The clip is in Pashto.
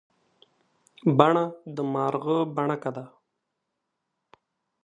بڼه د مارغه بڼکه ده.